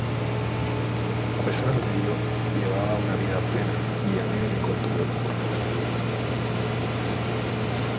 A pesar de ello, llevaba una vida plena y alegre cuando le ocurre.